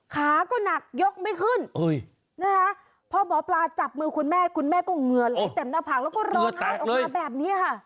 ขาก็หนักยกไม่ขึ้นนะคะพอหมอปลาจับมือคุณแม่คุณแม่ก็เหงื่อไหลเต็มหน้าผากแล้วก็ร้องไห้ออกมาแบบนี้ค่ะ